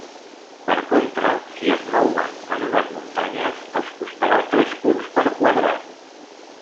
Per contra, si es mouen en unes muntanyes, els costarà tres punts per quadrat.